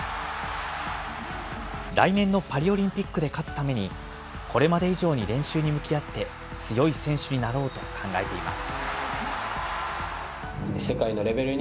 来年のパリオリンピックで勝つために、これまで以上に練習に向き合って強い選手になろうと考えています。